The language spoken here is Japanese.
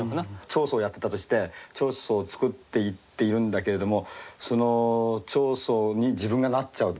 彫塑をやってたとして彫塑を作っていっているんだけれどもその彫塑に自分がなっちゃう。